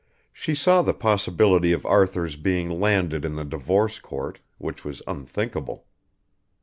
She saw the possibility of Arthur's being landed in the Divorce Court, which was unthinkable.